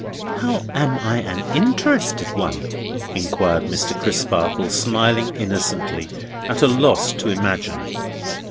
"How am I an interested one?" inquired Mr. Crisparkle, smiling innocently, at a loss to imagine.